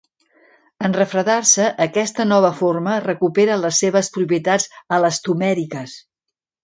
En refredar-se, aquesta nova forma recupera les seves propietats elastomèriques.